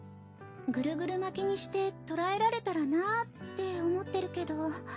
ぐるぐる巻きにして捕らえられたらなって思ってるけど。